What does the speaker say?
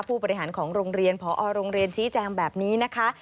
ผู้บริหารของโรงเรียนพอโรงเรียนชี้แจงแบบนี้นะคะ